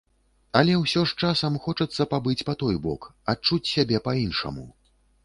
Але ўсё ж часам хочацца пабыць па той бок, адчуць сябе па-іншаму.